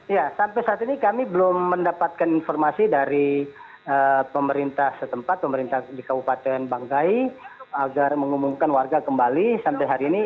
ya sampai saat ini kami belum mendapatkan informasi dari pemerintah setempat pemerintah di kabupaten banggai agar mengumumkan warga kembali sampai hari ini